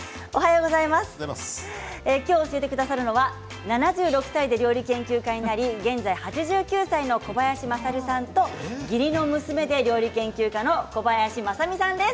今日教えてくださるのは７６歳で料理研究家になり現在８９歳の小林まさるさんと義理の娘で料理研究家の小林まさみさんです。